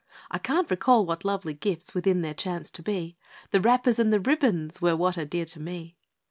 I can't recall what lovely gifts Within there chanced to be The wrappers and the ribbons Were what are dear to me.